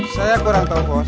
saya kurang tahu kosen